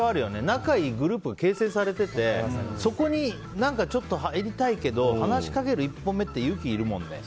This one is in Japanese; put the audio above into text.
仲いいグループが形成されててそこに入りたいけど話しかける一歩目って勇気いるもんね。